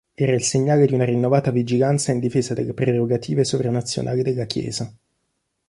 Era il segnale di una rinnovata vigilanza in difesa delle prerogative sovra-nazionali della Chiesa.